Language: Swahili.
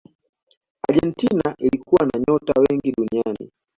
argentina ilikuwa na nyota wengi duniani